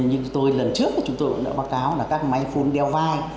như lần trước chúng tôi đã báo cáo là các máy phun đeo vai